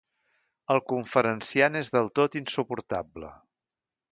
El conferenciant és del tot insuportable.